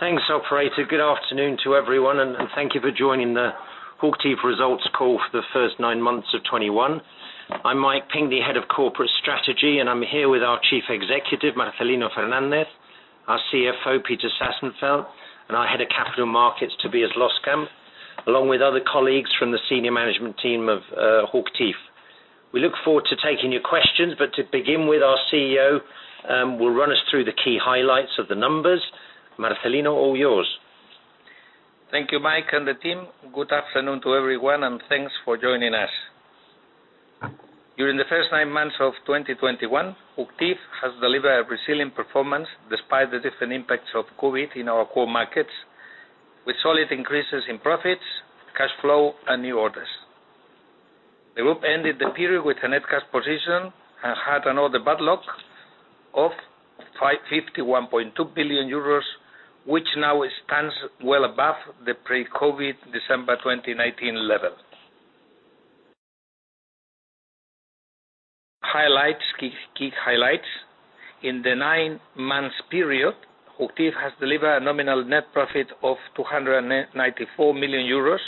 Thanks, operator. Good afternoon to everyone, and thank you for joining The HOCHTIEF Results Call for the first nine months of 2021. I'm Mike Pinkney, the head of corporate strategy, and I'm here with our Chief Executive, Marcelino Fernández, our CFO, Peter Sassenfeld, and our head of capital markets, Tobias Loskamp, along with other colleagues from the senior management team of HOCHTIEF. We look forward to taking your questions, but to begin with, our CEO will run us through the key highlights of the numbers. Marcelino, all yours. Thank you, Mike and the team. Good afternoon to everyone, and thanks for joining us. During the first 9 months of 2021, HOCHTIEF has delivered a resilient performance despite the different impacts of COVID in our core markets, with solid increases in profits, cash flow, and new orders. The group ended the period with a net cash position and had an order backlog of 551.2 billion euros, which now stands well above the pre-COVID December 2019 level. Highlights, key highlights. In the nine-month period, HOCHTIEF has delivered a nominal net profit of 294 million euros.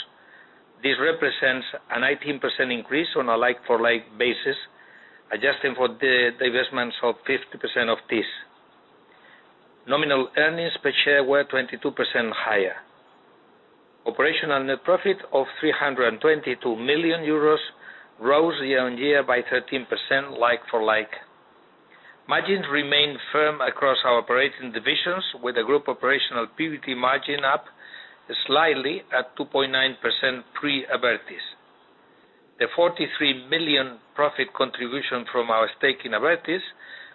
This represents a 19% increase on a like for like basis, adjusting for the divestments of 50% of this. Nominal earnings per share were 22% higher. Operational net profit of 322 million euros rose year-on-year by 13% like for like. Margins remained firm across our operating divisions with the group operational PBT margin up slightly at 2.9% pre-Abertis. The 43 million profit contribution from our stake in Abertis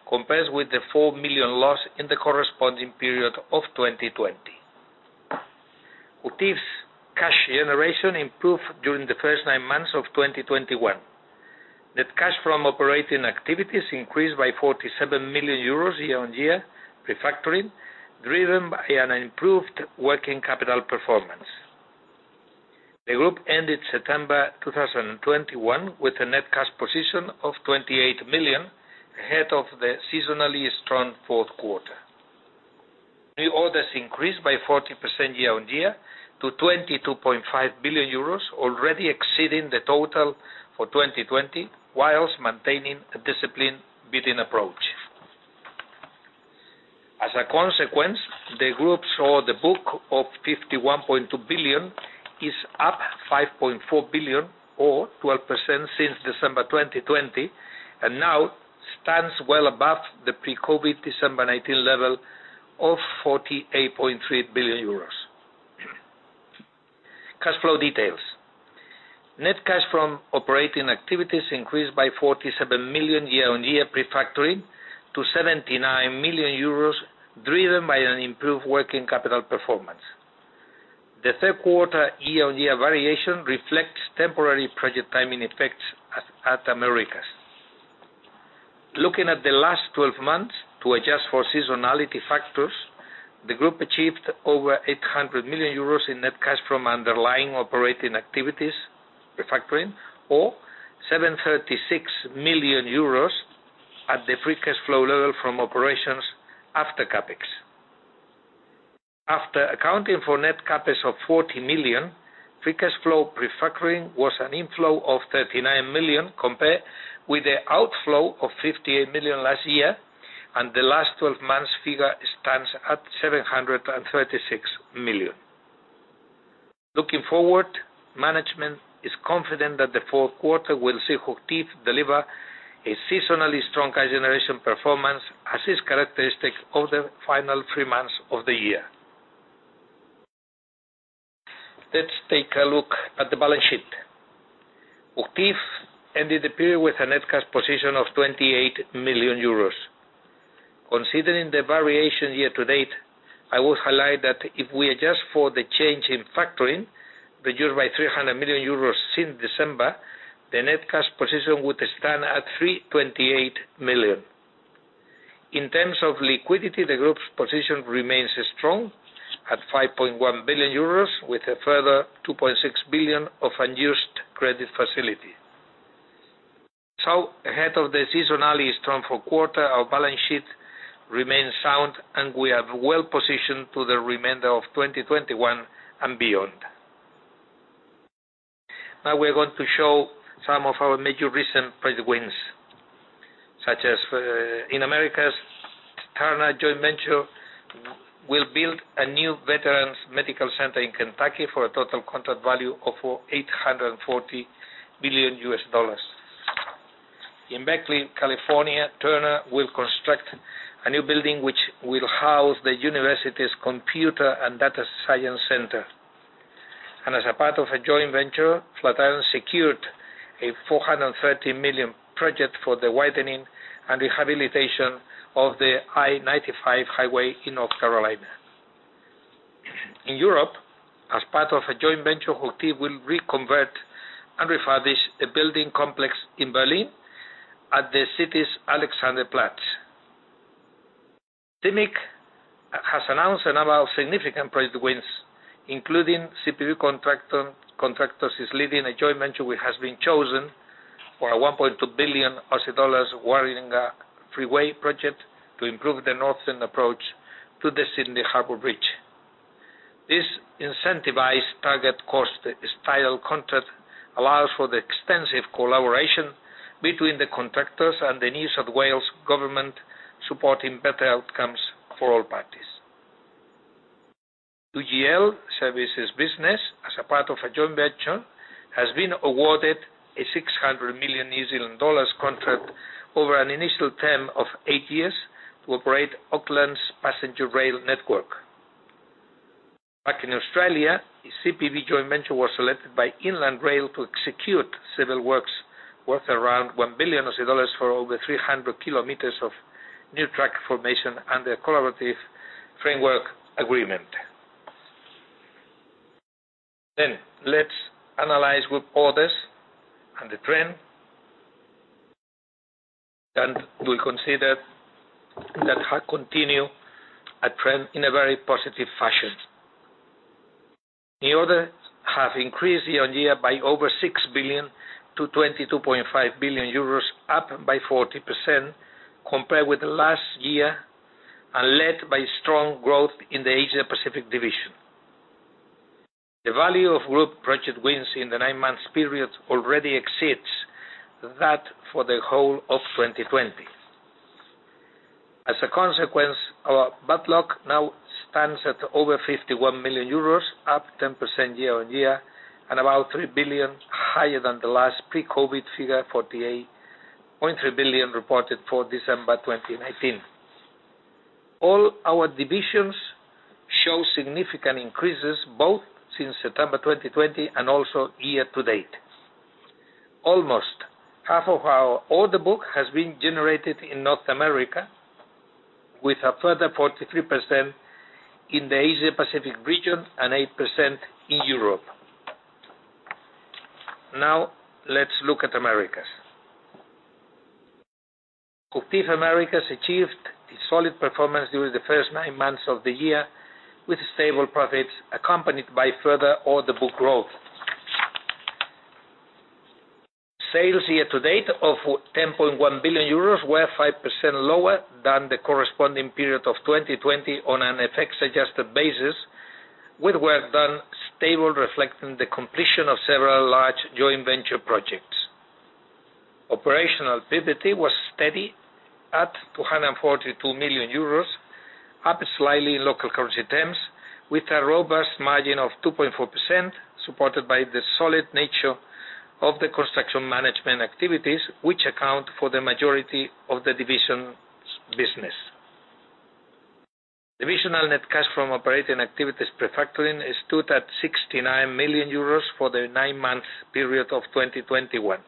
compares with the 4 million loss in the corresponding period of 2020. HOCHTIEF's cash generation improved during the first nine months of 2021. Net cash from operating activities increased by 47 million euros year-on-year reflecting, driven by an improved working capital performance. The group ended September 2021 with a net cash position of 28 million, ahead of the seasonally strong fourth quarter. New orders increased by 40% year-on-year to 22.5 billion euros, already exceeding the total for 2020, while maintaining a disciplined bidding approach. As a consequence, the group saw the book of 51.2 billion is up 5.4 billion or 12% since December 2020, and now stands well above the pre-COVID December 2019 level of 48.3 billion euros. Cash flow details. Net cash from operating activities increased by 47 million year-on-year pre-factoring to 79 million euros, driven by an improved working capital performance. The third quarter year-on-year variation reflects temporary project timing effects at Americas. Looking at the last 12 months to adjust for seasonality factors, the group achieved over 800 million euros in net cash from underlying operating activities pre-factoring or 736 million euros at the free cash flow level from operations after CapEx. After accounting for net CapEx of 40 million, free cash flow pre-factoring was an inflow of 39 million compared with the outflow of 58 million last year, and the last twelve months figure stands at 736 million. Looking forward, management is confident that the fourth quarter will see HOCHTIEF deliver a seasonally strong cash generation performance as is characteristic of the final three months of the year. Let's take a look at the balance sheet. HOCHTIEF ended the period with a net cash position of 28 million euros. Considering the variation year to date, I will highlight that if we adjust for the change in factoring, reduced by 300 million euros since December, the net cash position would stand at 328 million. In terms of liquidity, the group's position remains strong at 5.1 billion euros with a further 2.6 billion of unused credit facility. Ahead of the seasonally strong fourth quarter, our balance sheet remains sound, and we are well positioned to the remainder of 2021 and beyond. Now we're going to show some of our major recent project wins, such as in Americas, Turner Joint Venture will build a new veterans medical center in Kentucky for a total contract value of $840 million. In Berkeley, California, Turner will construct a new building which will house the university's Computer and Data Science Center. As a part of a joint venture, Flatiron secured a $430 million project for the widening and rehabilitation of the I-95 highway in North Carolina. In Europe, as part of a joint venture, HOCHTIEF will reconvert and refurbish a building complex in Berlin at the city's Alexanderplatz. CIMIC has announced a number of significant project wins, including CPB Contractors is leading a joint venture which has been chosen for a 1.2 billion Aussie dollars Warringah freeway project to improve the northern approach to the Sydney Harbour Bridge. This incentivized target cost style contract allows for the extensive collaboration between the contractors and the New South Wales government, supporting better outcomes for all parties. UGL services business, as a part of a joint venture, has been awarded a 600 million New Zealand dollars contract over an initial term of 8 years to operate Auckland's passenger rail network. Back in Australia, CPB joint venture was selected by Inland Rail to execute civil works worth around 1 billion dollars for over 300 km of new track formation under a collaborative framework agreement. Let's analyze group orders and the trend. We consider they have continued on trend in a very positive fashion. New orders have increased year-on-year by over 6 billion to 22.5 billion euros, up by 40% compared with last year, and led by strong growth in the Asia-Pacific division. The value of group project wins in the nine months period already exceeds that for the whole of 2020. As a consequence, our book now stands at over 51 billion euros, up 10% year-on-year, and about 3 billion higher than the last pre-COVID figure, 48.3 billion, reported for December 2019. All our divisions show significant increases, both since September 2020 and also year to date. Almost half of our order book has been generated in North America, with a further 43% in the Asia-Pacific region and 8% in Europe. Now, let's look at Americas. HOCHTIEF Americas achieved a solid performance during the first nine months of the year, with stable profits accompanied by further order book growth. Sales year to date of 10.1 billion euros were 5% lower than the corresponding period of 2020 on an FX adjusted basis, with work done stable, reflecting the completion of several large joint venture projects. Operational EBITDA was steady at 242 million euros, up slightly in local currency terms, with a robust margin of 2.4%, supported by the solid nature of the construction management activities, which account for the majority of the division's business. Division net cash from operating activities pre-factoring stood at 69 million euros for the 9-month period of 2021.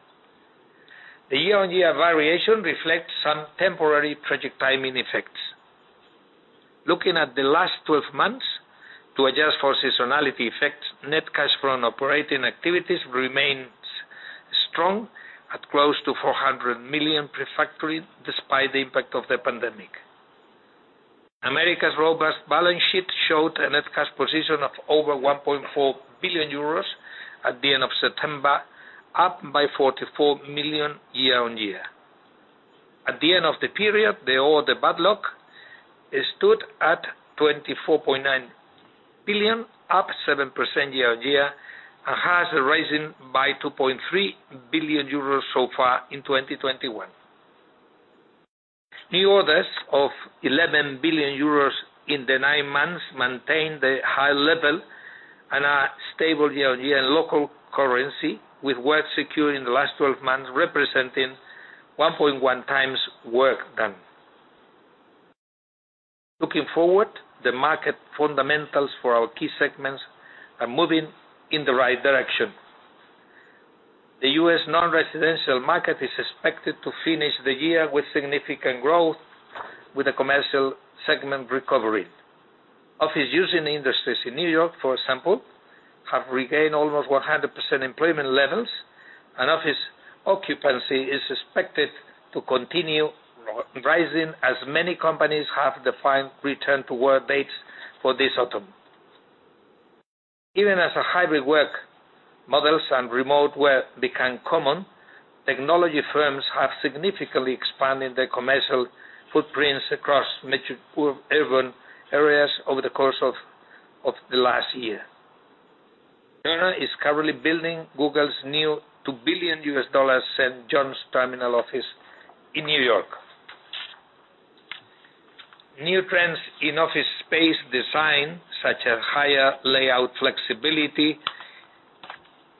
The year-on-year variation reflects some temporary project timing effects. Looking at the last 12 months to adjust for seasonality effects, net cash from operating activities remains strong at close to 400 million pre-factoring, despite the impact of the pandemic. America's robust balance sheet showed a net cash position of over 1.4 billion euros at the end of September, up by 44 million year-on-year. At the end of the period, the order book stood at 24.9 billion, up 7% year-on-year, and has risen by 2.3 billion euros so far in 2021. New orders of 11 billion euros in the 9 months maintain the high level and are stable year-on-year in local currency, with work secured in the last 12 months representing 1.1x work done. Looking forward, the market fundamentals for our key segments are moving in the right direction. The U.S. non-residential market is expected to finish the year with significant growth with the commercial segment recovery. Office using industries in New York, for example, have regained almost 100% employment levels and office occupancy is expected to continue rising as many companies have defined return to work dates for this autumn. Even as hybrid work models and remote work become common, technology firms have significantly expanded their commercial footprints across metro urban areas over the course of the last year. Turner is currently building Google's new $2 billion St. John's Terminal office in New York. New trends in office space design, such as higher layout flexibility,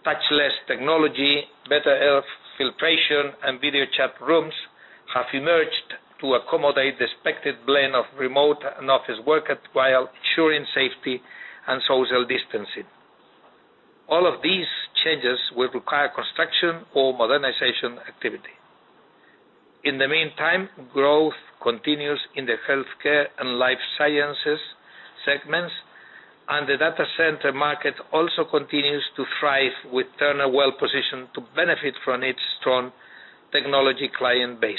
touchless technology, better air filtration, and video chat rooms have emerged to accommodate the expected blend of remote and office workers while ensuring safety and social distancing. All of these changes will require construction or modernization activity. In the meantime, growth continues in the healthcare and life sciences segments, and the data center market also continues to thrive with Turner well-positioned to benefit from its strong technology client base.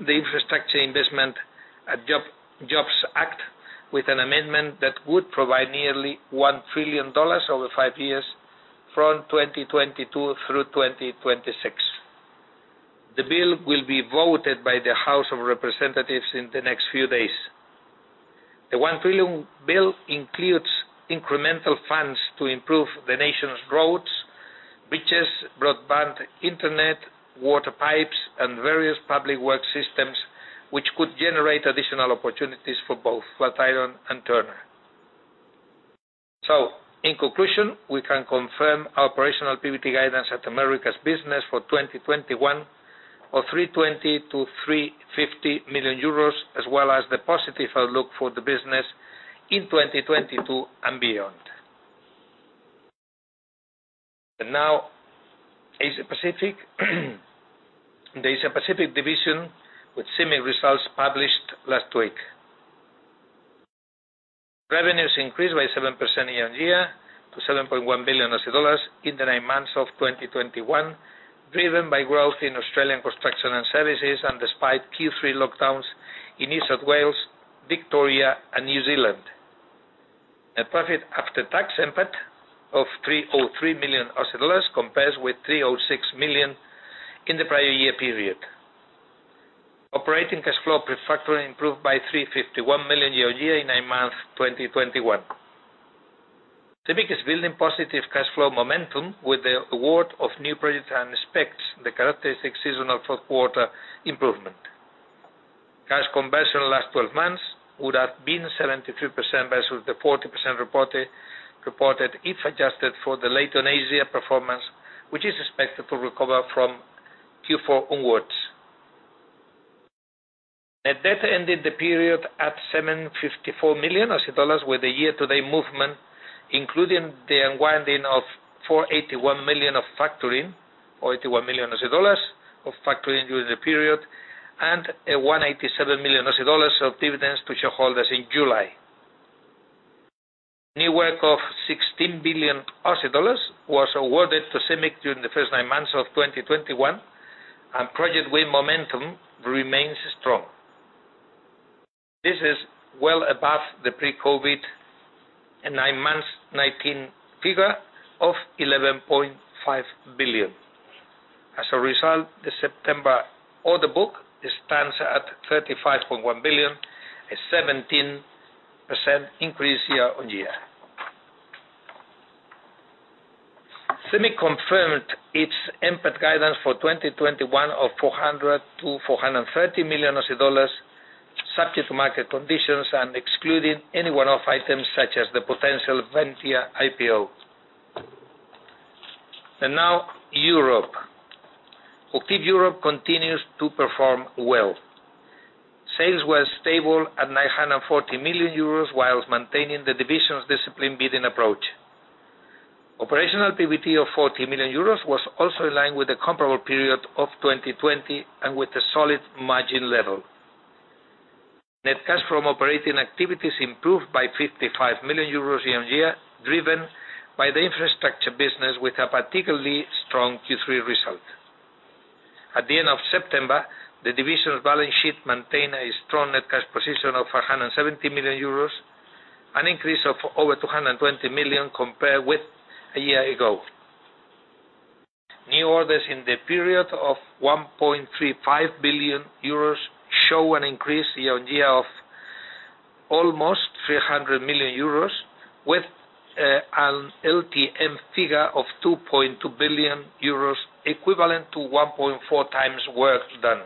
Infrastructure Investment and Jobs Act with an amendment that would provide nearly $1 trillion over 5 years from 2022 through 2026. The bill will be voted by the House of Representatives in the next few days. The $1 trillion bill includes incremental funds to improve the nation's roads, bridges, broadband internet, water pipes, and various public works systems, which could generate additional opportunities for both Flatiron and Turner. In conclusion, we can confirm our operational PBT guidance at Americas business for 2021 of 320 million-350 million euros, as well as the positive outlook for the business in 2022 and beyond. Now Asia Pacific. The Asia Pacific division, with CIMIC results published last week. Revenues increased by 7% year-on-year to 7.1 billion dollars in the nine months of 2021, driven by growth in Australian construction and services, and despite Q3 lockdowns in New South Wales, Victoria, and New Zealand. A profit after tax, NPAT, of AUD 303 million compares with 306 million in the prior year period. Operating cash flow pre-factoring improved by 351 million year-on-year in 9 months, 2021. CIMIC is building positive cash flow momentum with the award of new projects and expects the characteristic seasonal fourth quarter improvement. Cash conversion last twelve months would have been 73% versus the 40% reported if adjusted for the Leighton Asia performance, which is expected to recover from Q4 onwards. Net debt ended the period at 754 million dollars, with the year-to-date movement, including the unwinding of 481 million of factoring, or AUD 81 million of factoring during the period, and 187 million dollars of dividends to shareholders in July. New work of 16 billion dollars was awarded to CIMIC during the first nine months of 2021, and project win momentum remains strong. This is well above the pre-COVID nine months 2019 figure of 11.5 billion. As a result, the September order book stands at 35.1 billion, a 17% increase year-on-year. CIMIC confirmed its NPAT guidance for 2021 of 400 million-430 million dollars, subject to market conditions and excluding any one-off items such as the potential Ventia IPO. Now Europe. HOCHTIEF Europe continues to perform well. Sales were stable at 940 million euros while maintaining the division's disciplined bidding approach. Operational PBT of 40 million euros was also in line with the comparable period of 2020 and with a solid margin level. Net cash from operating activities improved by 55 million euros year-on-year, driven by the infrastructure business with a particularly strong Q3 result. At the end of September, the division's balance sheet maintained a strong net cash position of 470 million euros, an increase of over 220 million compared with a year ago. New orders in the period of 1.35 billion euros show an increase year-on-year of almost 300 million euros with an LTM figure of 2.2 billion euros, equivalent to 1.4x work done.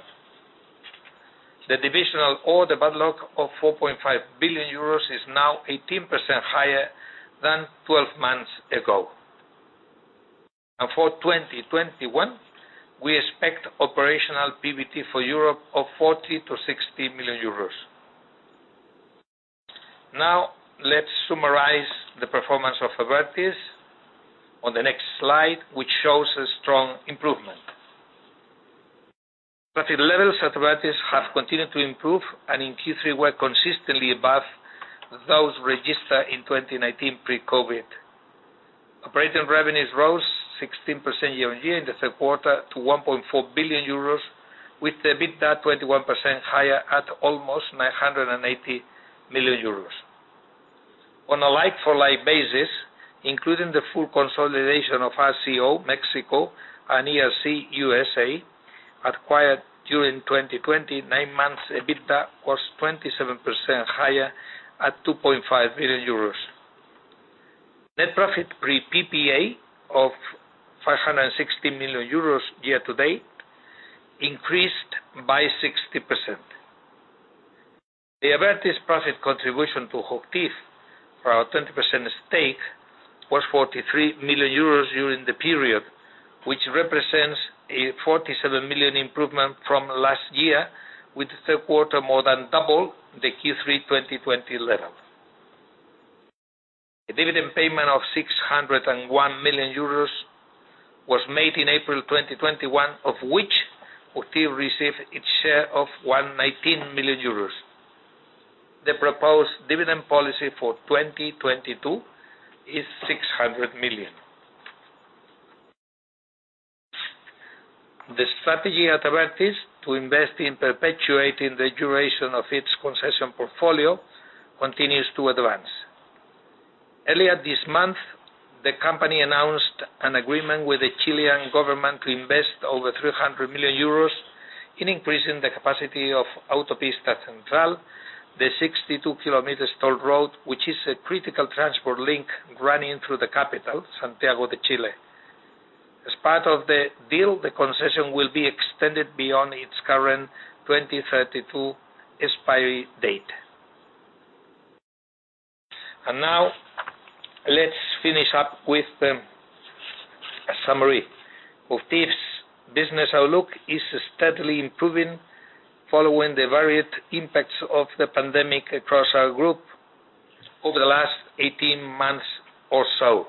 The divisional order backlog of 4.5 billion euros is now 18% higher than twelve months ago. For 2021, we expect operational PBT for Europe of 40 million-60 million euros. Now, let's summarize the performance of Abertis on the next slide, which shows a strong improvement. Profit levels at Abertis have continued to improve, and in Q3 were consistently above those registered in 2019 pre-COVID. Operating revenues rose 16% year-on-year in the third quarter to 1.4 billion euros, with the EBITDA 21% higher at almost 980 million euros. On a like-for-like basis, including the full consolidation of RCO, Mexico, and Elizabeth River Crossings, acquired during 2020 nine months, EBITDA was 27% higher at 2.5 billion euros. Net profit pre PPA of 560 million euros year-to-date increased by 60%. The Abertis profit contribution to HOCHTIEF for our 20% stake was 43 million euros during the period, which represents a 47 million improvement from last year, with the third quarter more than double the Q3 2020 level. A dividend payment of 601 million euros was made in April 2021, of which HOCHTIEF received its share of 119 million euros. The proposed dividend policy for 2022 is EUR 600 million. The strategy at Abertis to invest in perpetuating the duration of its concession portfolio continues to advance. Earlier this month, the company announced an agreement with the Chilean government to invest over 300 million euros in increasing the capacity of Autopista Central, the 62 km toll road, which is a critical transport link running through the capital, Santiago de Chile. As part of the deal, the concession will be extended beyond its current 2032 expiry date. Now, let's finish up with the summary. HOCHTIEF's business outlook is steadily improving following the varied impacts of the pandemic across our group over the last 18 months or so.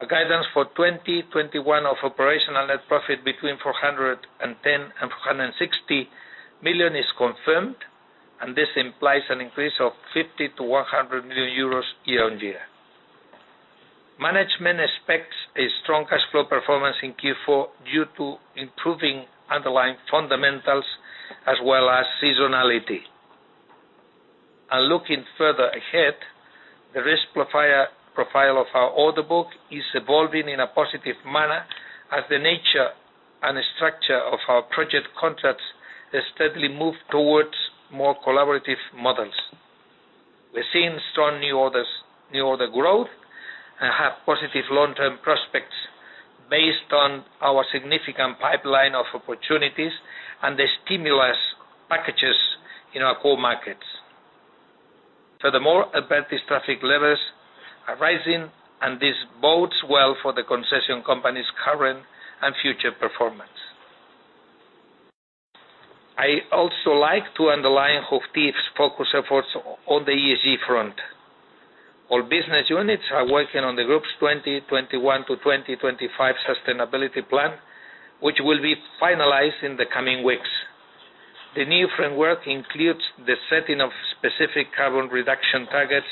Our guidance for 2021 of operational net profit between 410 million and 460 million is confirmed, and this implies an increase of 50 million-100 million euros year-on-year. Management expects a strong cash flow performance in Q4 due to improving underlying fundamentals as well as seasonality. Looking further ahead, the risk profile of our order book is evolving in a positive manner as the nature and the structure of our project contracts steadily move towards more collaborative models. We're seeing strong new orders, new order growth, and have positive long-term prospects based on our significant pipeline of opportunities and the stimulus packages in our core markets. Furthermore, Abertis traffic levels are rising, and this bodes well for the concession company's current and future performance. I also like to underline HOCHTIEF's focus efforts on the ESG front. All business units are working on the group's 2021 to 2025 sustainability plan, which will be finalized in the coming weeks. The new framework includes the setting of specific carbon reduction targets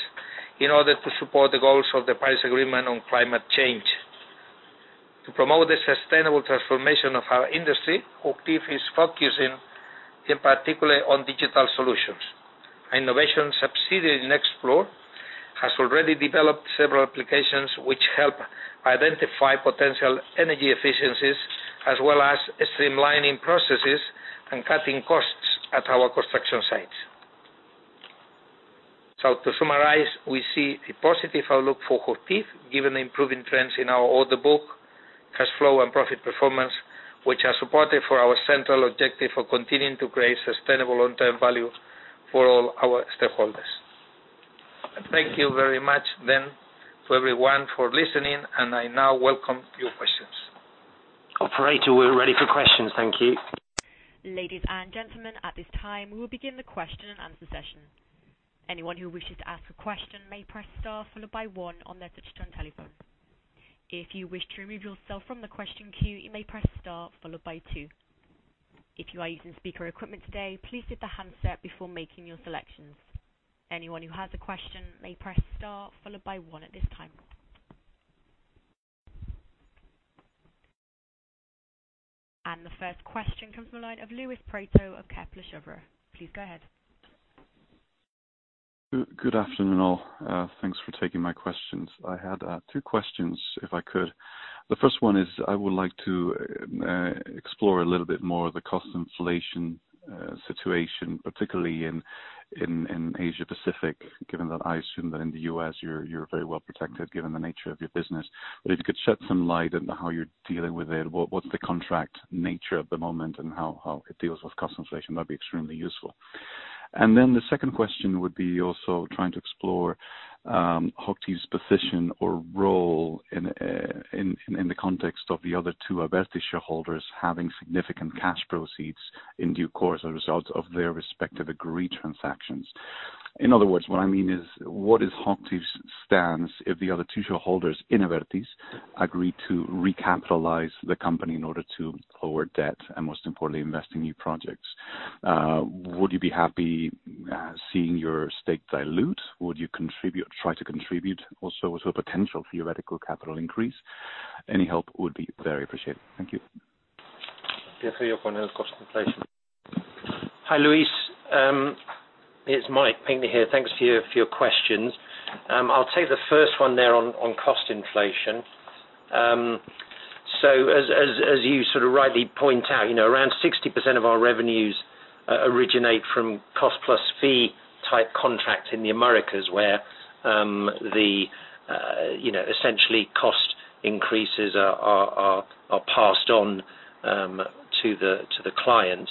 in order to support the goals of the Paris Agreement on climate change. To promote the sustainable transformation of our industry, HOCHTIEF is focusing in particular on digital solutions. Innovation subsidiary Nexplore has already developed several applications which help identify potential energy efficiencies, as well as streamlining processes and cutting costs at our construction sites. To summarize, we see a positive outlook for HOCHTIEF, given the improving trends in our order book, cash flow and profit performance, which are supportive for our central objective for continuing to create sustainable long-term value for all our stakeholders. Thank you very much then for everyone for listening, and I now welcome your questions. Operator, we're ready for questions. Thank you. Ladies and gentlemen, at this time, we will begin the question and answer session. The first question comes from the line of Luis Prieto of Kepler Cheuvreux. Please go ahead. Good afternoon, all. Thanks for taking my questions. I had two questions, if I could. The first one is I would like to explore a little bit more of the cost inflation situation, particularly in Asia-Pacific, given that I assume that in the US you're very well protected, given the nature of your business. If you could shed some light into how you're dealing with it, what's the contract nature at the moment and how it deals with cost inflation? That'd be extremely useful. The second question would be also trying to explore HOCHTIEF's position or role in the context of the other two Abertis shareholders having significant cash proceeds in due course as a result of their respective agreed transactions. In other words, what I mean is, what is HOCHTIEF's stance if the other two shareholders in Abertis agree to recapitalize the company in order to lower debt and most importantly, invest in new projects? Would you be happy seeing your stake dilute? Would you try to contribute also to a potential theoretical capital increase? Any help would be very appreciated. Thank you. cost inflation. Hi, Luis. It's Mike Pinkney here. Thanks for your questions. I'll take the first one there on cost inflation. So as you sort of rightly point out, you know, around 60% of our revenues originate from cost plus fee type contracts in the Americas, where the, you know, essentially cost increases are passed on to the client.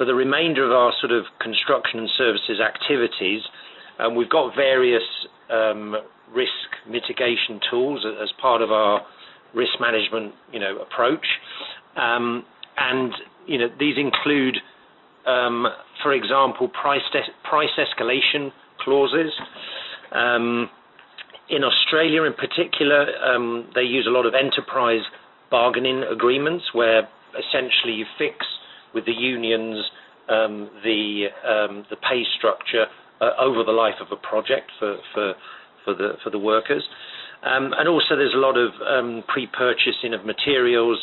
For the remainder of our sort of construction and services activities, we've got various risk mitigation tools as part of our risk management, you know, approach. You know, these include, for example, price escalation clauses. In Australia in particular, they use a lot of enterprise bargaining agreements where the pay structure over the life of a project for the workers. Also there's a lot of pre-purchasing of materials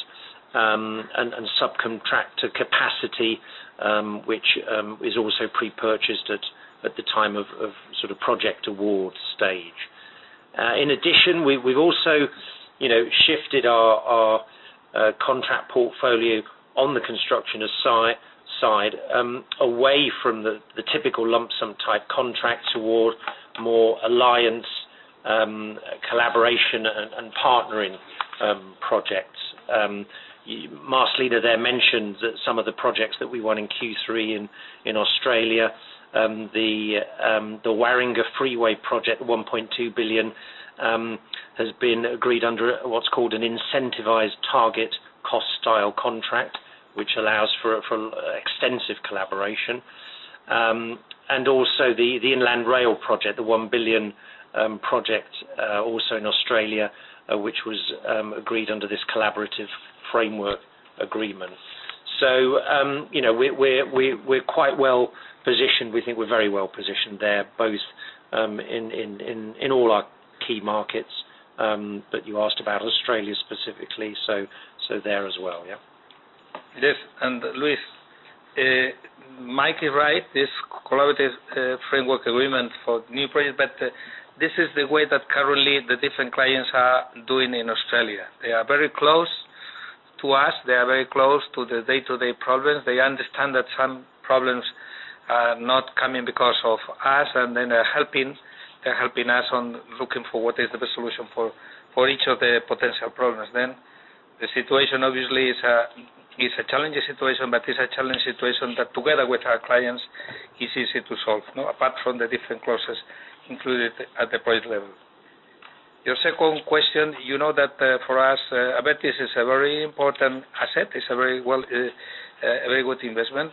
and subcontractor capacity, which is also pre-purchased at the time of sort of project award stage. In addition, we've also, you know, shifted our contract portfolio on the construction Asia-side away from the typical lump sum type contract toward more alliance collaboration and partnering projects. Marcelino there mentioned that some of the projects that we won in Q3 in Australia, the Warringah Freeway Project 1.2 billion, has been agreed under what's called an incentivized target cost style contract, which allows for extensive collaboration. Also the Inland Rail project, the 1 billion project, also in Australia, which was agreed under this collaborative framework agreement. You know, we're quite well-positioned. We think we're very well-positioned there, both in all our key markets that you asked about Australia specifically. There as well. Yeah. Yes, Luis, Mike is right. This collaborative framework agreement for new projects, but this is the way that currently the different clients are doing in Australia. They are very close to us. They are very close to the day-to-day problems. They understand that some problems are not coming because of us, and they are helping. They're helping us on looking for what is the best solution for each of the potential problems. The situation obviously is a challenging situation, but it's a challenging situation that together with our clients, it's easy to solve, apart from the different clauses included at the project level. Your second question, you know that for us, Abertis is a very important asset. It's a very good investment.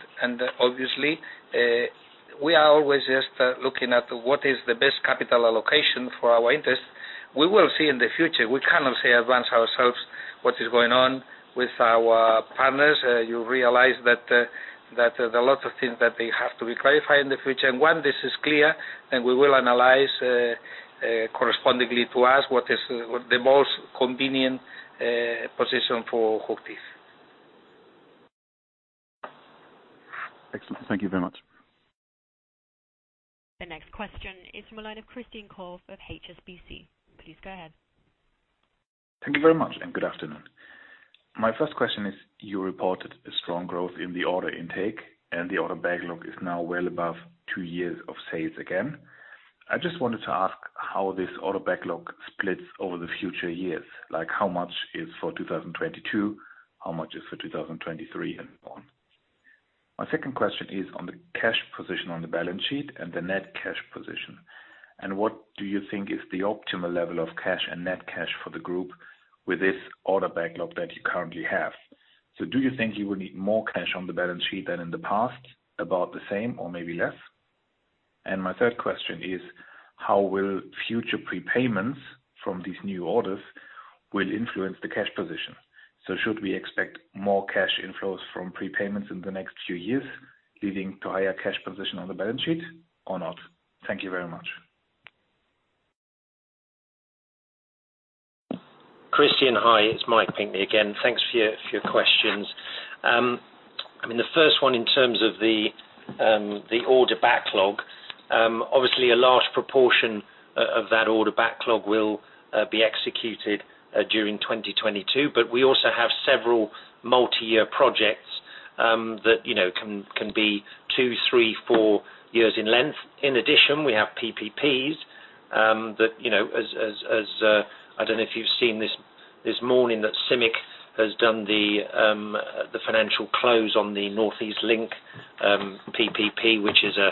Obviously, we are always just looking at what is the best capital allocation for our interest. We will see in the future. We cannot say in advance what is going on with our partners. You realize that there are lots of things that they have to be clarified in the future. When this is clear, then we will analyze correspondingly for us what is the most convenient position for HOCHTIEF. Excellent. Thank you very much. The next question is from the line of Christian Kolb of HSBC. Please go ahead. Thank you very much, and good afternoon. My first question is, you reported a strong growth in the order intake, and the order backlog is now well above two years of sales again. I just wanted to ask how this order backlog splits over the future years. Like how much is for 2022, how much is for 2023, and so on. My second question is on the cash position on the balance sheet and the net cash position. What do you think is the optimal level of cash and net cash for the group with this order backlog that you currently have? Do you think you will need more cash on the balance sheet than in the past, about the same or maybe less? My third question is, how will future prepayments from these new orders will influence the cash position? Should we expect more cash inflows from prepayments in the next few years, leading to higher cash position on the balance sheet or not? Thank you very much. Christian, hi. It's Mike Pinkney again. Thanks for your questions. I mean, the first one in terms of the order backlog obviously a large proportion of that order backlog will be executed during 2022, but we also have several multi-year projects that you know can be two, three, four years in length. In addition, we have PPPs that you know as I don't know if you've seen this this morning that CIMIC has done the financial close on the North East Link PPP, which is a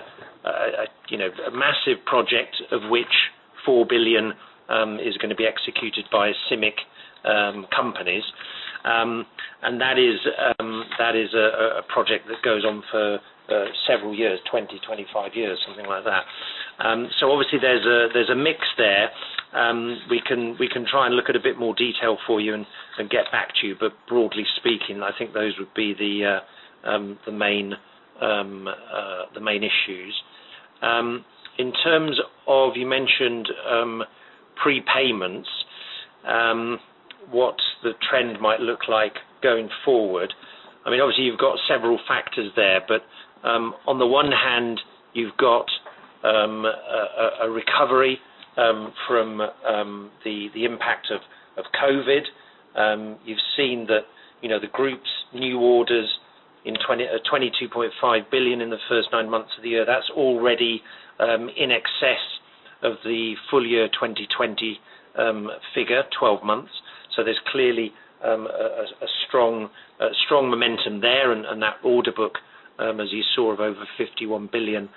you know a massive project of which 4 billion is gonna be executed by CIMIC companies. That is a project that goes on for several years, 25 years, something like that. Obviously there's a mix there. We can try and look at a bit more detail for you and get back to you. Broadly speaking, I think those would be the main issues. In terms of, you mentioned prepayments, what the trend might look like going forward. I mean, obviously you've got several factors there, but on the one hand, you've got a recovery from the impact of COVID. You've seen that, you know, the group's new orders in 22.5 billion in the first nine months of the year. That's already in excess of the full year 2020 figure, 12 months. There's clearly a strong momentum there. That order book, as you saw of over 51 billion,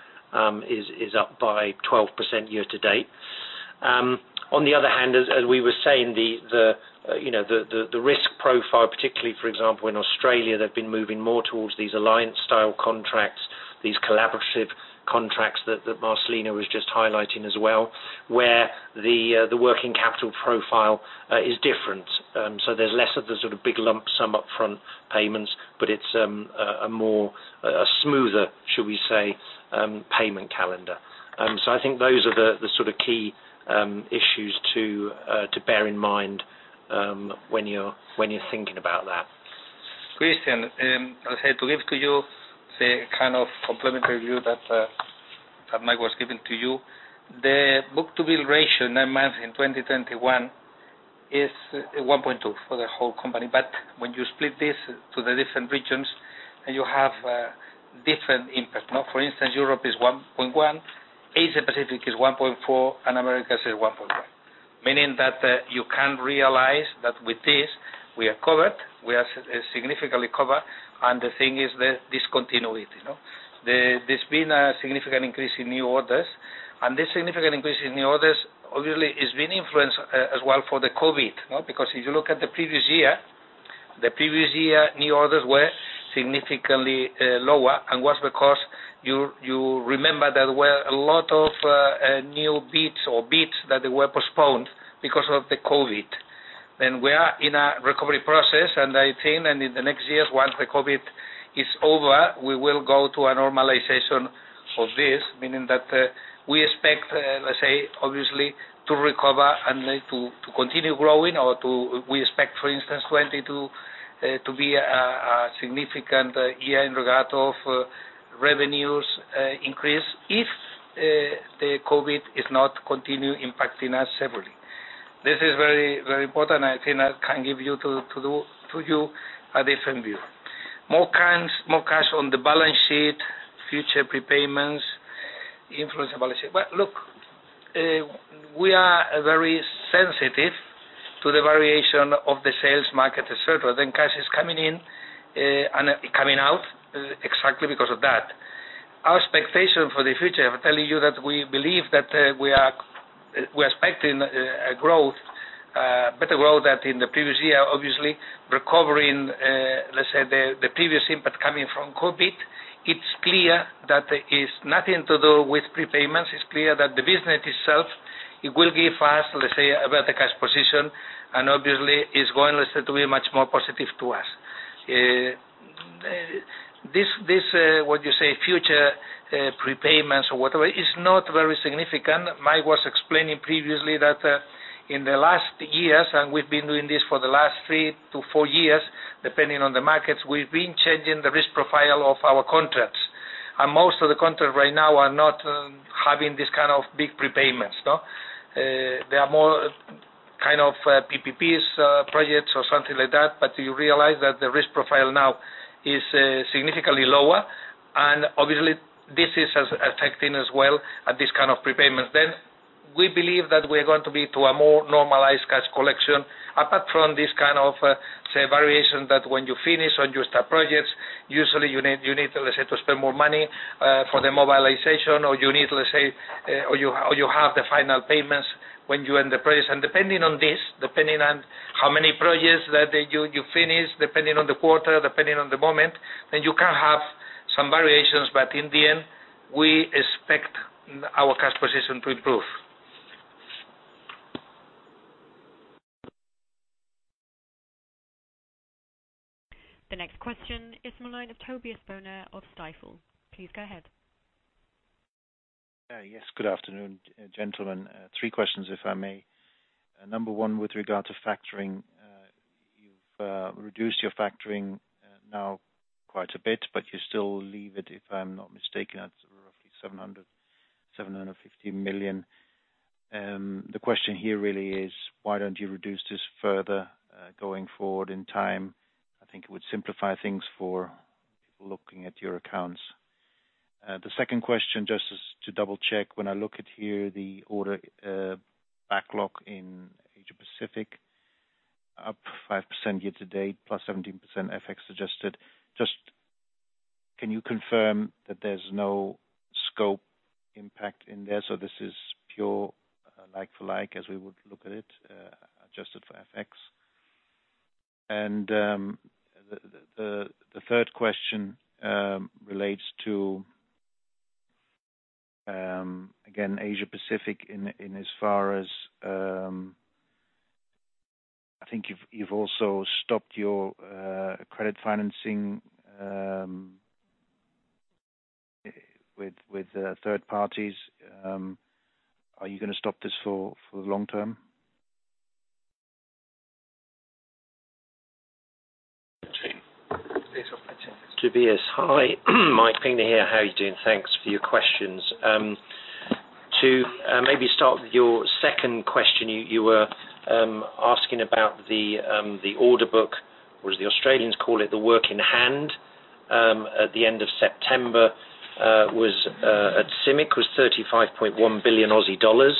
is up by 12% year to date. On the other hand, as we were saying, you know, the risk profile, particularly for example, in Australia, they've been moving more towards these alliance style contracts, these collaborative contracts that Marcelino was just highlighting as well, where the working capital profile is different. So there's less of the sort of big lump sum up front payments, but it's a more smoother, shall we say, payment calendar. I think those are the sort of key issues to bear in mind when you're thinking about that. Christian, I said to give to you the kind of complementary view that that Mike was giving to you. The book-to-bill ratio 9 months in 2021 is 1.2 for the whole company. When you split this to the different regions, then you have a different impact. Now, for instance, Europe is 1.1, Asia Pacific is 1.4, and Americas is 1.5. Meaning that you can realize that with this, we are covered, we are significantly covered, and the thing is the discontinuity, you know. There's been a significant increase in new orders, and this significant increase in new orders obviously has been influenced as well by the COVID, no. Because if you look at the previous year, new orders were significantly lower, and it was because you remember there were a lot of new bids or bids that were postponed because of the COVID. We are in a recovery process, and I think in the next years, once the COVID is over, we will go to a normalization of this. Meaning that we expect, let's say, obviously, to recover and to continue growing. We expect, for instance, 2022 to be a significant year in regard to revenues increase if the COVID does not continue impacting us severely. This is very important. I think I can give you a different view. More cash on the balance sheet, future prepayments influence the balance sheet. Look, we are very sensitive to the variation of the sales market, etc. Cash is coming in and coming out exactly because of that. Our expectation for the future, I'm telling you that we believe that we are expecting a growth, better growth than in the previous year, obviously, recovering, let's say, the previous impact coming from COVID. It's clear that it's nothing to do with prepayments. It's clear that the business itself, it will give us, let's say, a better cash position, and obviously, it's going, let's say, to be much more positive to us. This, what you say, future prepayments or whatever, is not very significant. Mike was explaining previously that in the last years we've been doing this for the last 3 to 4 years, depending on the markets, we've been changing the risk profile of our contracts. Most of the contracts right now are not having this kind of big prepayments. They are more kind of PPPs, projects or something like that. You realize that the risk profile now is significantly lower, and obviously, this is also affecting, as well, this kind of prepayments. We believe that we're going to get to a more normalized cash collection. Apart from this kind of, say, variation that when you finish on your star projects. Usually, you need, let's say, to spend more money for the mobilization, or you need, let's say, or you have the final payments when you end the projects. Depending on this, depending on how many projects that you finish, depending on the quarter, depending on the moment, then you can have some variations. In the end, we expect our cash position to improve. The next question is the line of Tobias Woerner of Stifel. Please go ahead. Yes, good afternoon, gentlemen. Three questions, if I may. Number one, with regard to factoring, you've reduced your factoring now quite a bit, but you still leave it, if I'm not mistaken, at roughly 750 million. The question here really is why don't you reduce this further going forward in time? I think it would simplify things for people looking at your accounts. The second question, just as to double-check, when I look at here, the order backlog in Asia Pacific up 5% year to date, plus 17% FX-adjusted. Just, can you confirm that there's no scope impact in there? So this is pure, like for like as we would look at it, adjusted for FX. The third question relates to again, Asia Pacific in as far as I think you've also stopped your credit financing with third parties. Are you gonna stop this for the long term? Tobias, hi. Mike Pinkney here. How are you doing? Thanks for your questions. To maybe start with your second question, you were asking about the order book, or as the Australians call it, the work in hand, at the end of September at CIMIC was 35.1 billion Aussie dollars.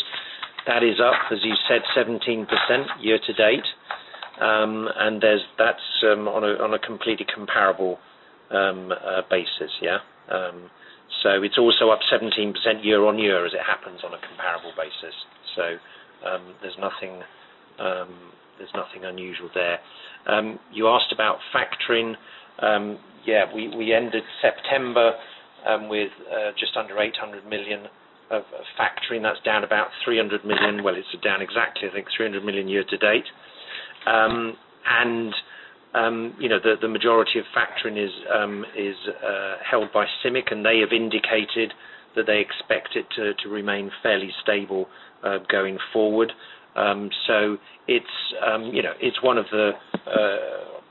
That is up, as you said, 17% year to date. That's on a completely comparable basis, yeah. It's also up 17% year on year as it happens. There's nothing unusual there. You asked about factoring. Yeah, we ended September with just under 800 million of factoring. That's down about 300 million. Well, it's down exactly, I think, 300 million year to date. You know, the majority of factoring is held by CIMIC, and they have indicated that they expect it to remain fairly stable going forward. It's one of the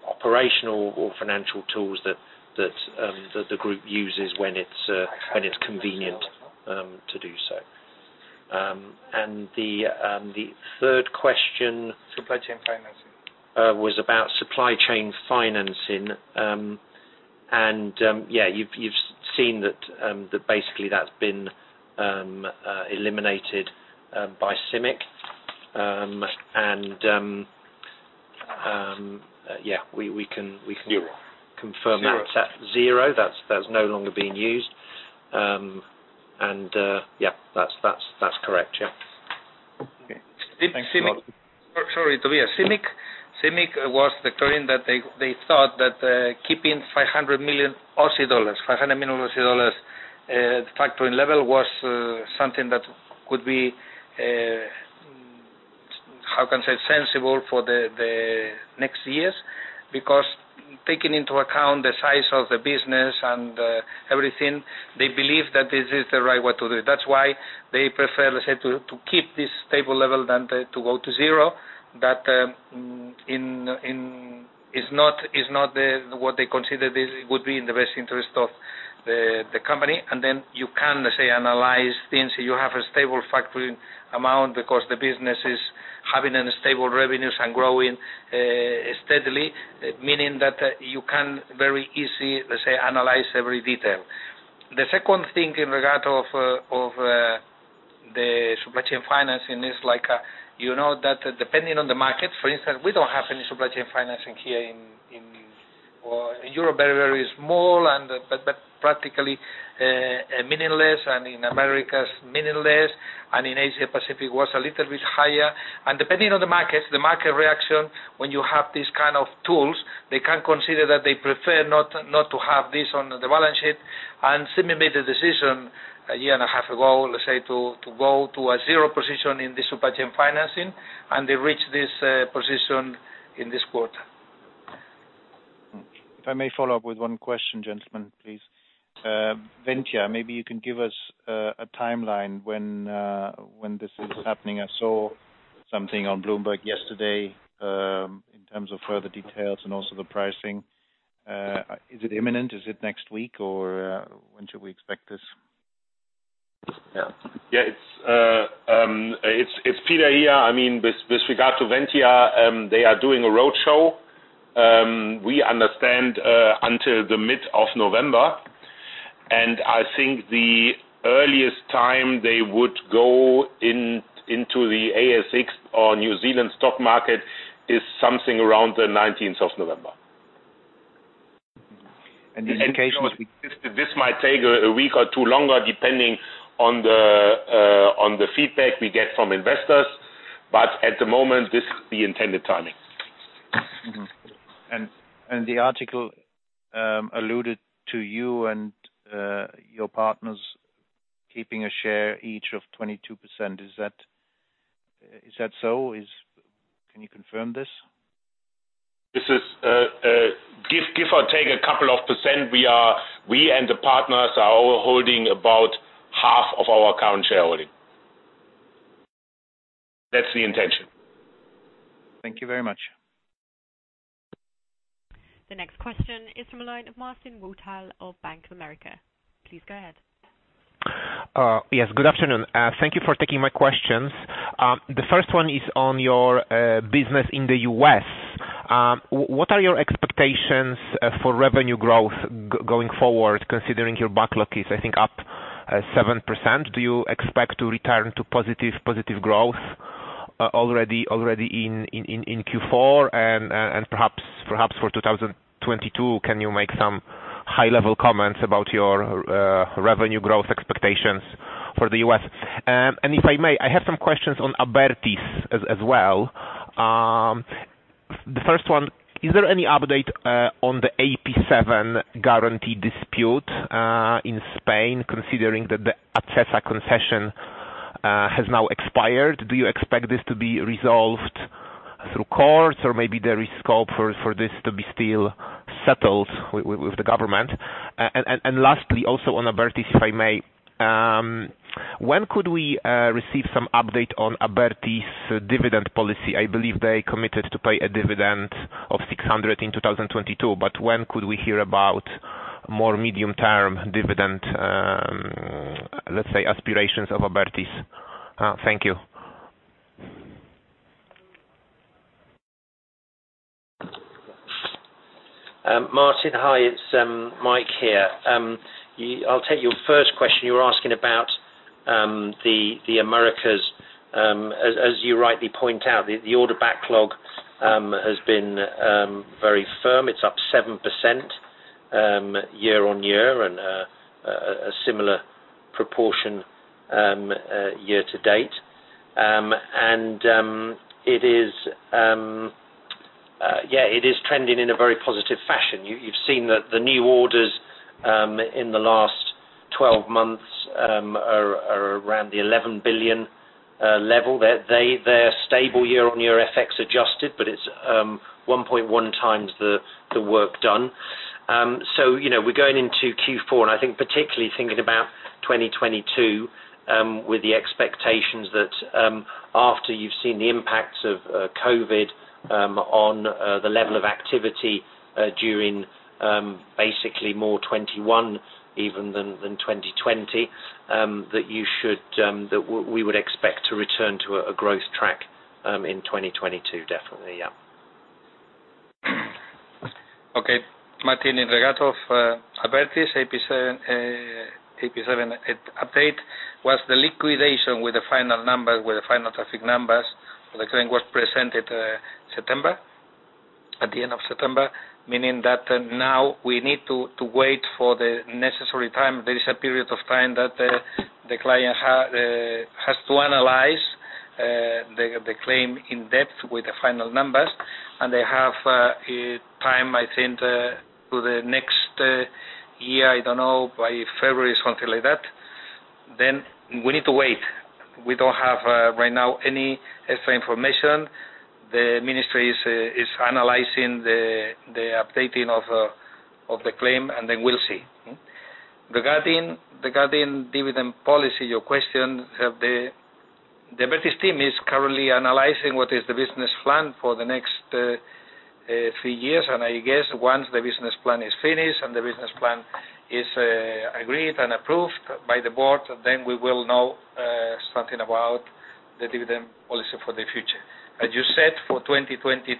operational or financial tools that the group uses when it's convenient to do so. The third question supply chain financing. Was about supply chain financing. Yeah, you've seen that basically that's been eliminated by CIMIC. Yeah, we can Zero. Confirm that. Zero. It's at zero. That's no longer being used. Yeah, that's correct. Yeah. Okay. Thanks a lot. Sorry, Tobias. CIMIC was declaring that they thought that keeping 500 million Aussie dollars factoring level was something that could be, how can I say, sensible for the next years. Because taking into account the size of the business and everything, they believe that this is the right way to do it. That's why they prefer, let's say, to keep this stable level than to go to zero. That is not what they consider this would be in the best interest of the company. Then you can, let's say, analyze things. You have a stable factoring amount because the business is having a stable revenues and growing steadily, meaning that you can very easy, let's say, analyze every detail. The second thing in regard of the supply chain financing is like, you know that depending on the market, for instance, we don't have any supply chain financing here in Europe, very small but practically meaningless, and in Americas, meaningless, and in Asia-Pacific, was a little bit higher. Depending on the market, the market reaction when you have these kind of tools, they can consider that they prefer not to have this on the balance sheet. CIMIC made a decision a year and a half ago, let's say, to go to a zero position in the supply chain financing, and they reached this position in this quarter. If I may follow up with one question, gentlemen, please. Ventia, maybe you can give us a timeline when this is happening. I saw something on Bloomberg yesterday, in terms of further details and also the pricing. Is it imminent? Is it next week? Or, when should we expect this? Yeah. Yeah. It's Peter here. I mean, with regard to Ventia, they are doing a roadshow, we understand, until the mid of November. I think the earliest time they would go into the ASX or New Zealand stock market is something around the nineteenth of November. The indication was. This might take a week or two longer, depending on the feedback we get from investors. At the moment, this is the intended timing. The article alluded to you and your partners keeping a share each of 22%. Is that so? Can you confirm this? This is, give or take a couple of %, we and the partners are all holding about half of our current shareholding. That's the intention. Thank you very much. The next question is from the line of Marcin Wojtal of Bank of America. Please go ahead. Yes. Good afternoon. Thank you for taking my questions. The first one is on your business in the U.S. What are your expectations for revenue growth going forward, considering your backlog is, I think, up 7%? Do you expect to return to positive growth already in Q4? Perhaps for 2022, can you make some high-level comments about your revenue growth expectations for the U.S.? If I may, I have some questions on Abertis as well. The first one, is there any update on the AP7 guarantee dispute in Spain, considering that the Acesa concession has now expired? Do you expect this to be resolved through courts, or maybe there is scope for this to be still settled with the government? Lastly, also on Abertis, if I may, when could we receive some update on Abertis' dividend policy? I believe they committed to pay a dividend of 600 in 2022, but when could we hear about more medium-term dividend, let's say, aspirations of Abertis? Thank you. Marcin, hi. It's Mike Pinkney here. I'll take your first question. You were asking about the Americas. As you rightly point out, the order backlog has been very strong. 7% year-on-year and a similar proportion year to date. It is trending in a very positive fashion. You've seen the new orders in the last twelve months are around the 11 billion level. They're stable year-on-year FX adjusted, but it's 1.1 x the work done. So, you know, we're going into Q4, and I think particularly thinking about 2022, with the expectations that, after you've seen the impacts of COVID on the level of activity during basically more 2021 even than 2020, that you should, that we would expect to return to a growth track in 2022. Definitely, yeah. Okay. Marcin Wojtal, in regard of Abertis AP-7 update, the liquidation with the final numbers, with the final traffic numbers, the claim was presented September, at the end of September, meaning that now we need to wait for the necessary time. There is a period of time that the client has to analyze the claim in depth with the final numbers. They have a time, I think, to the next year, I don't know, by February, something like that. We need to wait. We don't have right now any extra information. The ministry is analyzing the updating of the claim, and then we'll see. Regarding dividend policy, your question. The Abertis team is currently analyzing what is the business plan for the next three years. I guess once the business plan is finished and agreed and approved by the board, then we will know something about the dividend policy for the future. As you said, for 2022,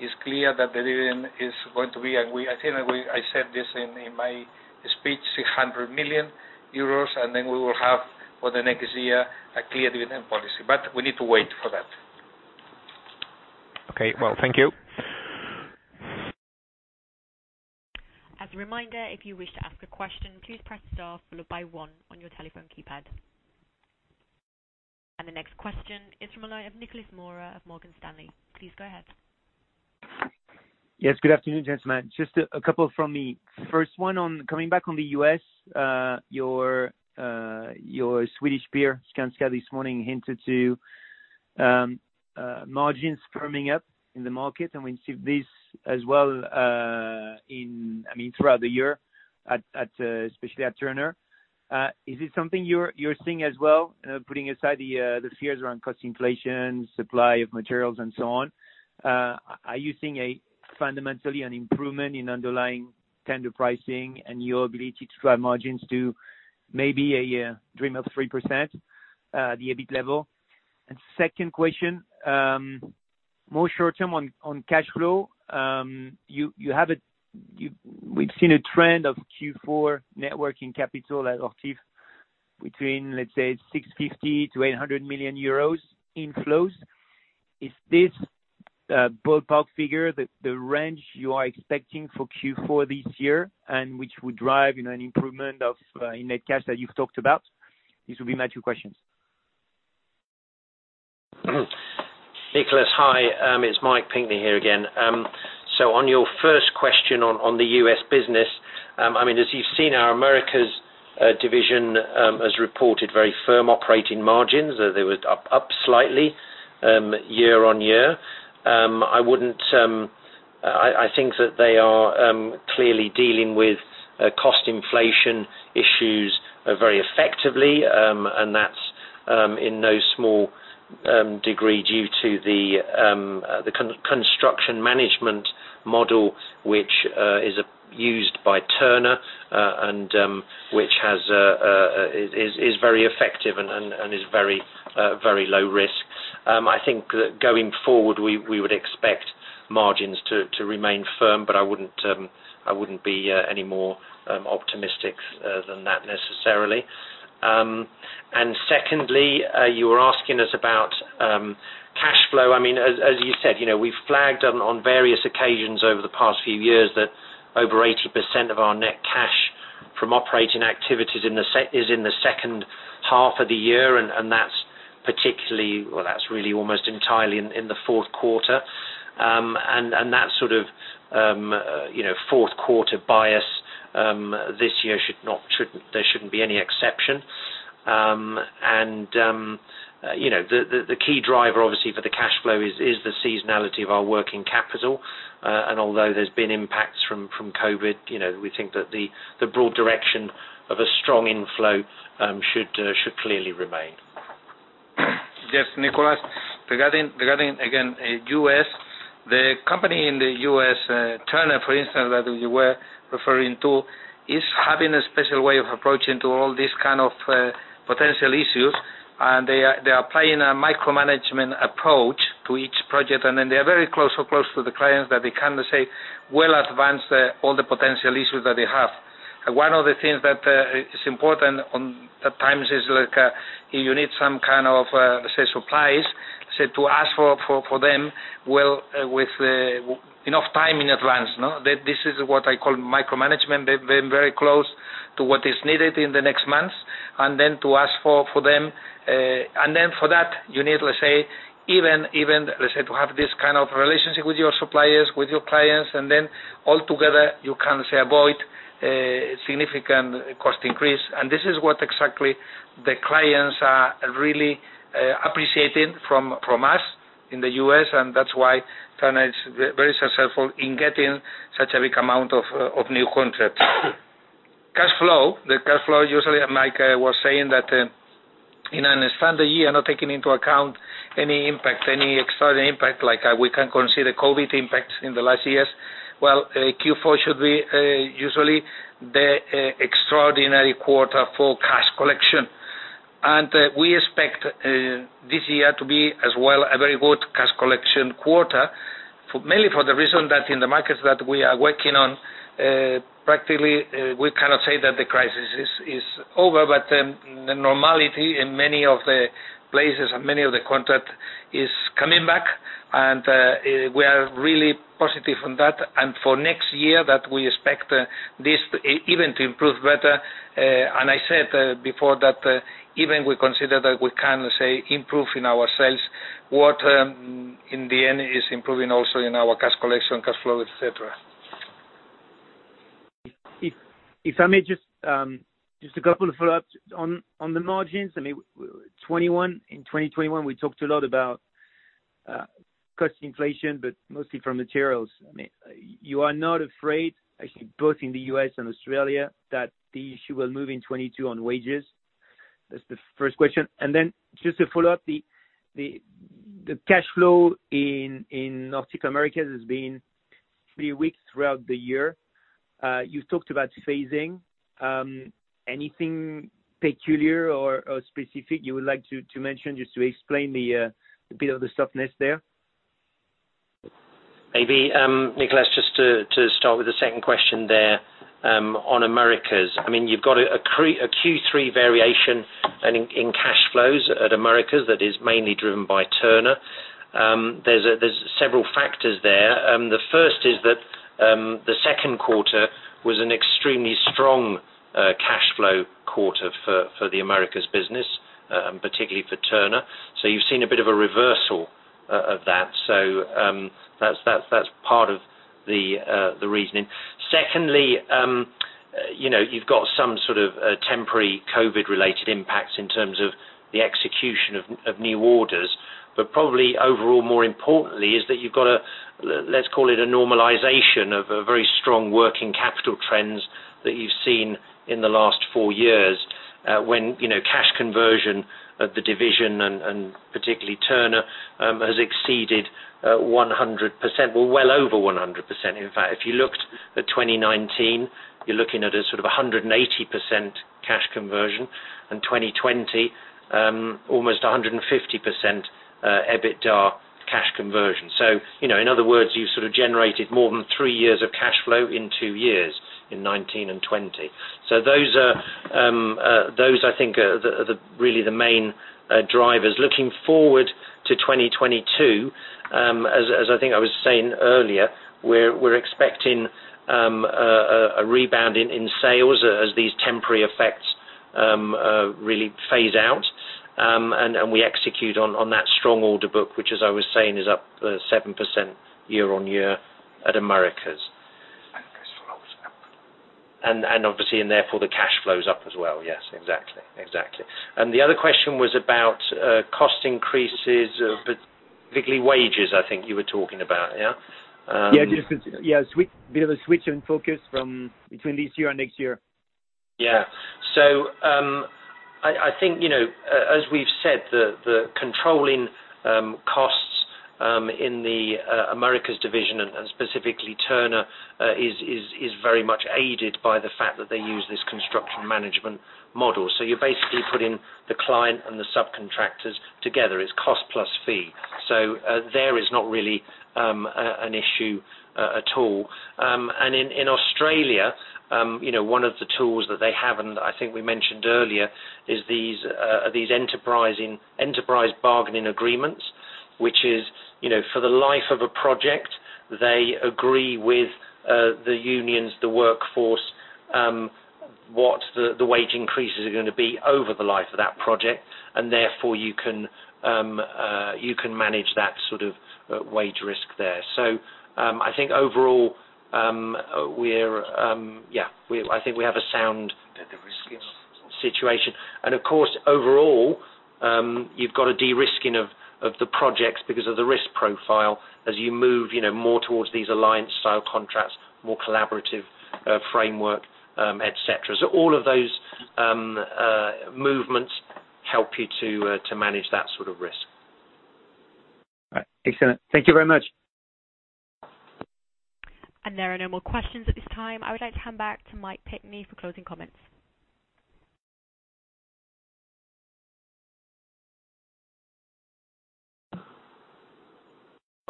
it's clear that the dividend is going to be, and we, I think I said this in my speech, 600 million euros, and then we will have for the next year a clear dividend policy. We need to wait for that. Okay. Well, thank you. As a reminder, if you wish to ask a question, please press star followed by one on your telephone keypad. The next question is from a line of Nicolas Mora of Morgan Stanley. Please go ahead. Yes, good afternoon, gentlemen. Just a couple from me. First one on coming back on the US, your Swedish peer, Skanska, this morning hinted to margins firming up in the market. We've seen this as well, in, I mean, throughout the year at, especially at Turner. Is it something you're seeing as well, putting aside the fears around cost inflation, supply of materials and so on? Are you seeing fundamentally an improvement in underlying tender pricing and your ability to drive margins to maybe a dream of 3% the EBIT level? Second question, more short-term on cash flow. We've seen a trend of Q4 net working capital at HOCHTIEF between, let's say, 650 million-800 million euros inflows. Is this ballpark figure the range you are expecting for Q4 this year, and which would drive, you know, an improvement in net cash that you've talked about? These will be my two questions. Nicolas, hi, it's Mike Pinkney here again. On your first question on the U.S. business, I mean, as you've seen, our Americas division has reported very firm operating margins. They were up slightly year-on-year. I wouldn't. I think that they are clearly dealing with cost inflation issues very effectively, and that's in no small degree due to the construction management model, which is used by Turner and which is very effective and is very low risk. I think that going forward, we would expect margins to remain firm, but I wouldn't be any more optimistic than that necessarily. Secondly, you were asking us about cash flow. I mean, as you said, you know, we've flagged on various occasions over the past few years that over 80% of our net cash from operating activities is in the second half of the year, and that's particularly, well, that's really almost entirely in the fourth quarter. And that sort of, you know, fourth quarter bias this year, there shouldn't be any exception. You know, the key driver obviously for the cash flow is the seasonality of our working capital. Although there's been impacts from COVID, you know, we think that the broad direction of a strong inflow should clearly remain. Yes, Nicolas. Regarding again the U.S. The company in the U.S., Turner, for instance, that you were referring to, is having a special way of approaching to all these kind of potential issues. They are applying a micromanagement approach to each project, and then they are very close to the clients that they can see well in advance all the potential issues that they have. One of the things that is important at times is like you need some kind of supply, so to ask for them with enough time in advance, no? That this is what I call micromanagement. They're very close to what is needed in the next months, and then to ask for them. Then for that, you need, let's say, even to have this kind of relationship with your suppliers, with your clients, and then altogether, you can say, avoid significant cost increase. This is what exactly the clients are really appreciating from us in the U.S., and that's why Turner is very successful in getting such a big amount of new contracts. Cash flow. The cash flow usually, Mike was saying that, in a standard year, not taking into account any impact, any extraordinary impact, like we can consider COVID impacts in the last years. Q4 should be usually the extraordinary quarter for cash collection. We expect this year to be as well a very good cash collection quarter for... mainly for the reason that in the markets that we are working on, practically, we cannot say that the crisis is over, but the normality in many of the places and many of the contracts is coming back and we are really positive on that. For next year that we expect, this even to improve better. I said before that, even we consider that we can say improve in our sales, which in the end is improving also in our cash collection, cash flow, et cetera. If I may just a couple of follow-ups on the margins. I mean, in 2021, we talked a lot about cost inflation, but mostly from materials. I mean, you are not afraid, actually, both in the U.S. and Australia, that the issue will move in 2022 on wages? That's the first question. Just to follow up, the cash flow in North America has been pretty weak throughout the year. You talked about phasing. Anything peculiar or specific you would like to mention, just to explain a bit of the softness there? Maybe, Nicolas, just to start with the second question there, on Americas. I mean, you've got a Q3 variation in cash flows at Americas that is mainly driven by Turner. There's several factors there. The first is that the second quarter was an extremely strong cash flow quarter for the Americas business, and particularly for Turner. So you've seen a bit of a reversal of that. That's part of the reasoning. Secondly, you know, you've got some sort of temporary COVID related impacts in terms of the execution of new orders, but probably overall, more importantly, is that you've got a, let's call it a normalization of a very strong working capital trends that you've seen in the last four years, when, you know, cash conversion of the division and particularly Turner has exceeded 100%. Well over 100%, in fact. If you looked at 2019, you're looking at a sort of 180% cash conversion. In 2020, almost 150% EBITDA cash conversion. So, you know, in other words, you've sort of generated more than three years of cash flow in two years in 2019 and 2020. Those are, I think, really the main drivers. Looking forward to 2022, as I think I was saying earlier, we're expecting a rebound in sales as these temporary effects really phase out. We execute on that strong order book, which as I was saying, is up 7% year-on-year at Americas. Cash flows up. obviously, and therefore the cash flows up as well. Yes, exactly. The other question was about cost increases, but particularly wages, I think you were talking about, yeah? Yeah, just a bit of a switch in focus from between this year and next year. I think, you know, as we've said, the controlling costs in the Americas division and specifically Turner is very much aided by the fact that they use this construction management model. You're basically putting the client and the subcontractors together, it's cost plus fee. There is not really an issue at all. In Australia, you know, one of the tools that they have, and I think we mentioned earlier, is these enterprise bargaining agreements, which is, you know, for the life of a project, they agree with the unions, the workforce, what the wage increases are gonna be over the life of that project, and therefore you can manage that sort of wage risk there. I think overall, I think we have a sound situation. Of course, overall, you've got a de-risking of the projects because of the risk profile as you move, you know, more towards these alliance style contracts, more collaborative framework, et cetera. All of those movements help you to manage that sort of risk. All right. Excellent. Thank you very much. There are no more questions at this time. I would like to hand back to Mike Pinkney for closing comments.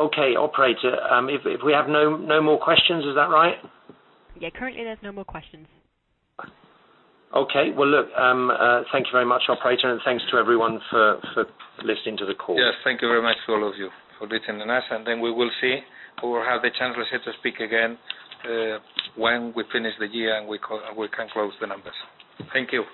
Okay. Operator, if we have no more questions, is that right? Yeah. Currently, there's no more questions. Okay. Well, look, thank you very much, operator, and thanks to everyone for listening to the call. Yes. Thank you very much to all of you for listening to us, and then we will see or have the chance let's say to speak again, when we finish the year, and we can close the numbers. Thank you.